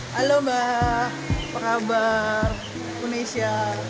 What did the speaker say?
halo mbak apa kabar unesha